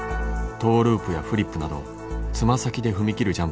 トーループやフリップなど爪先で踏み切る